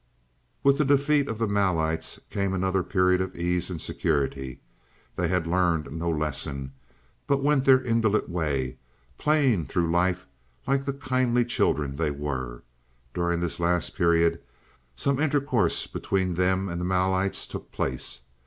"With the defeat of the Malites came another period of ease and security. They had learned no lesson, but went their indolent way, playing through life like the kindly children they were. During this last period some intercourse between them and the Malites took place.